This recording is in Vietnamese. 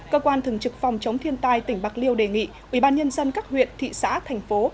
cơ quan thường trực phòng chống thiên tai tỉnh bạc liêu đề nghị ubnd các huyện thị xã thành phố